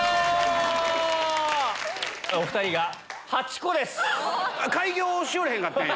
お２人が８個です。